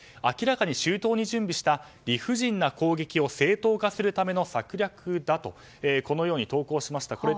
明らかに周到に準備した理不尽な攻撃を正当化するための策略だとこのように投稿しました。